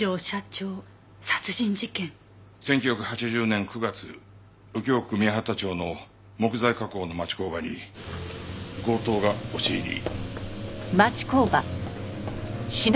１９８０年９月右京区宮幡町の木材加工の町工場に強盗が押し入り。